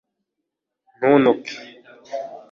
ntuntuke